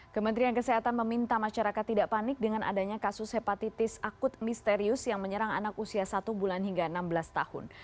kementerian kesehatan meminta masyarakat tidak panik dengan adanya kasus hepatitis akut misterius yang menyerang anak usia satu bulan hingga enam belas tahun